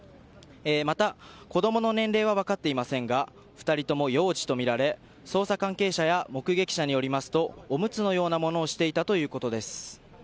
また、子供の年齢は分かっていませんが２人とも幼児とみられ捜査関係者や目撃者によりますとおむつのようなものをしていたということです。